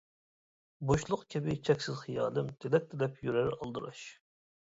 بوشلۇق كەبى چەكسىز خىيالىم، تىلەك تىلەپ يۈرەر ئالدىراش.